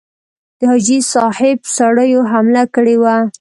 د حاجي صاحب سړیو حمله کړې وه.